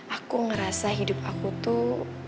aku ngerasa hidup aku tuh